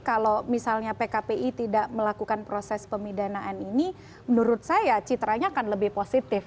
kalau misalnya pkpi tidak melakukan proses pemidanaan ini menurut saya citranya akan lebih positif